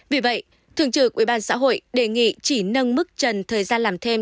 vì vậy thường trực ubnd xã hội đề nghị chỉ nâng mức trần thời gian làm thêm